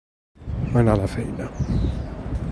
Anar a la feina.